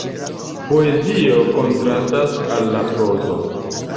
Poezio kontrastas al la prozo.